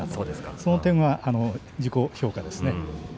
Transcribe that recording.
その点は自己評価ですね。